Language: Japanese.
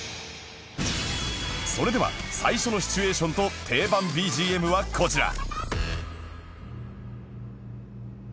それでは最初のシチュエーションと定番 ＢＧＭ はこちら